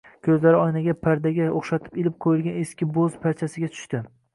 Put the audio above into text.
ko'zlari oynaga pardaga o'xshatib ilib qo'yilgan eski bo'z parchasiga tushdi.